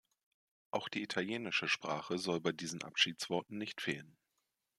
Auch die italienische Sprache soll bei diesen Abschiedsworten nicht fehlen.